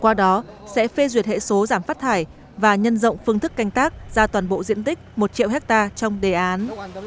qua đó sẽ phê duyệt hệ số giảm phát thải và nhân rộng phương thức canh tác ra toàn bộ diện tích một triệu hectare trong đề án